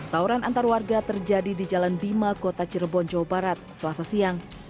tauran antar warga terjadi di jalan bima kota cirebon jawa barat selasa siang